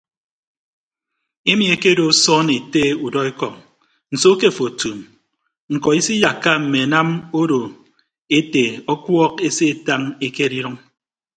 Emi ekedo osoon ete udọekọñ nso ke afo otuum ñkọ isiyakka mme anam ado ete ọkuọk asetañ utañ ekere idʌñ.